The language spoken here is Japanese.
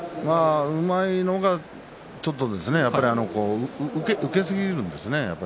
うまいのかちょっと受けすぎるんですね。